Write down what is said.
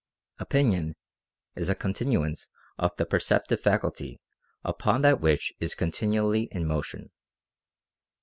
Opinion is a continuance of the perceptive faculty upon that which is continually in motion.